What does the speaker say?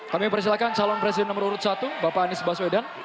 kami persilahkan calon presiden nomor satu bapak anies baswedan